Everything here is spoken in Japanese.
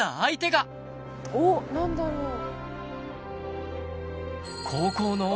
何だろう？